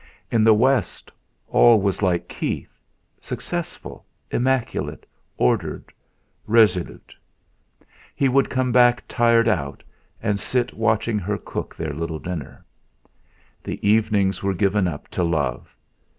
In the West all was like Keith, successful, immaculate, ordered, resolute. He would come back tired out, and sit watching her cook their little dinner. The evenings were given up to love.